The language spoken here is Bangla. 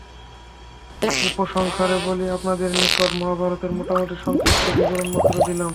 উপসংহারে বলি, আপনাদের নিকট মহাভারতের মোটামুটি সংক্ষিপ্ত বিবরণমাত্র দিলাম।